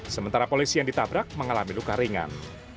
sementara polisi yang ditabrak mengalami luka ringan